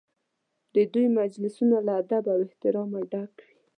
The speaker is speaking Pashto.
د دوی مجلسونه له ادب او احترامه ډک وي.